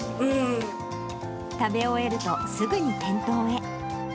食べ終えるとすぐに店頭へ。